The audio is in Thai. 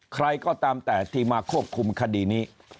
ใครก็ตามแต่ที่มาควบคุมคดีนี้